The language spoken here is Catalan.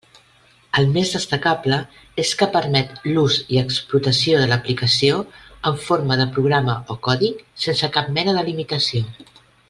El més destacable és que permet l'ús i explotació de l'aplicació, en forma de programa o codi, sense cap mena de limitació.